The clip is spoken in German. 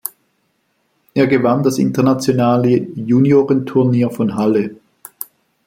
Er gewann das internationale »Juniorenturnier von Halle«.